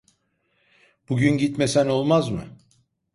Bugün gitmesen olmaz mı?